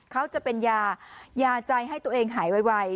เขาจะเป็นยายาใจให้ตัวเองหายไว